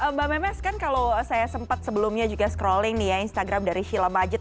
mbak memes kan kalau saya sempat sebelumnya juga scrolling nih ya instagram dari shila majid